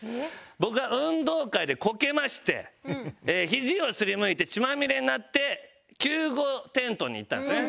僕が運動会でこけましてひじを擦りむいて血まみれになって救護テントに行ったんですね